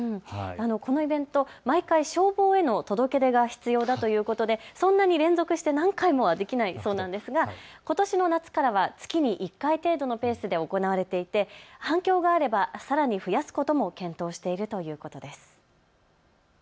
このイベント毎回、消防への届け出が必要だということでそんなに連続して何回もできないそうなんですが、ことしの夏からは月に１回程度のペースで行われていて反響があればさらに増やすことも検討しているということです。